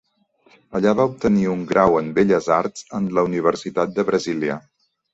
Allà va obtenir un grau en belles arts en la Universitat de Brasília.